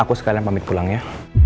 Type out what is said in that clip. aku sekalian pamit pulang ya